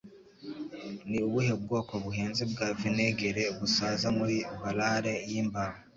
Ni ubuhe bwoko buhenze bwa Vinegere busaza muri Barrale yimbaho